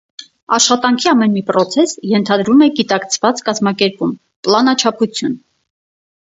Աշխատանքի ամեն մի պրոցես ենթադրում է գիտակցված կազմակերպում՝ պլանաչափություն։